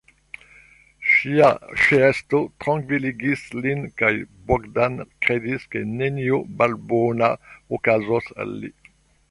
Ŝia ĉeesto trankviligis lin kaj Bogdan kredis, ke nenio malbona okazos al li.